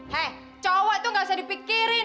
hei cowok tuh gak usah dipikirin